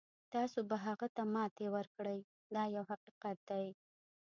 تاسو به هغه ته ماتې ورکړئ دا یو حقیقت دی.